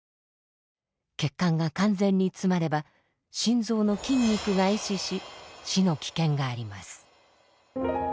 血管が完全に詰まれば心臓の筋肉が壊死し死の危険があります。